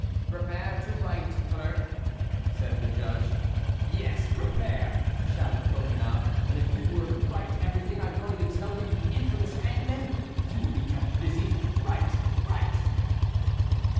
"Prepare to write, clerk," said the judge. "Yes, prepare," shouted Coconnas; "and if you write everything I am going to tell you you infamous hangmen, you will be kept busy. Write! write!"